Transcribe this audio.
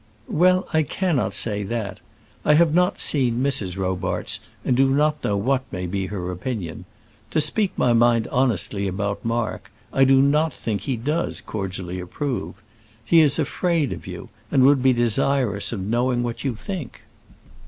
"Well, I cannot say that. I have not seen Mrs. Robarts, and do not know what may be her opinion. To speak my mind honestly about Mark, I do not think he does cordially approve. He is afraid of you, and would be desirous of knowing what you think."